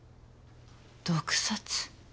毒殺。